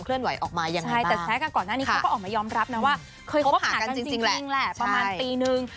ก็ออกมายอมรับนะว่าเคยคบหากันจริงแหละประมาณปีนึง